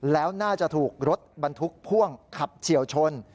แล้วน่าจะถูกรถบรรทุกพ่วงขับเฉียวชน